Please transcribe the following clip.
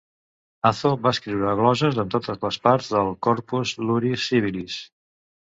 Azo va escriure glosses en totes les parts del "Corpus Iuris Civilis".